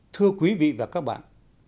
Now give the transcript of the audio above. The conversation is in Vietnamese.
thưa quý vị và các bạn